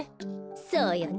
そうよね。